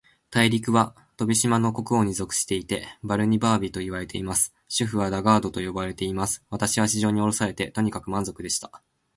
大陸は、飛島の国王に属していて、バルニバービといわれています。首府はラガードと呼ばれています。私は地上におろされて、とにかく満足でした。